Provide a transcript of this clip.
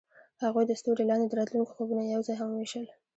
هغوی د ستوري لاندې د راتلونکي خوبونه یوځای هم وویشل.